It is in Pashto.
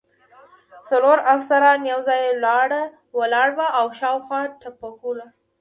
څلور افسران یو ځای ولاړ و، شاوخوا ټوپکوال.